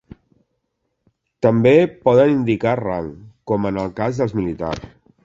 També poden indicar rang, com en el cas dels militars.